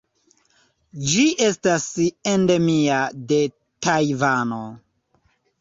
Ĝi estas endemia de Tajvano.